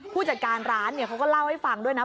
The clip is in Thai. ผู้จัดการร้านเขาก็เล่าให้ฟังด้วยนะ